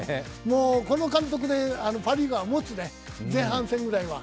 この監督でパ・リーグはもつね、前半戦ぐらいは。